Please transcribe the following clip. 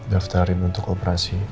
daftarin untuk operasi